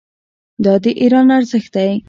دا د ایران ارزښت دی.